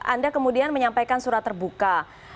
anda kemudian menyampaikan surat terbuka